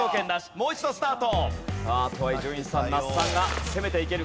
もう一度スタート。